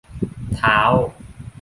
เท้า !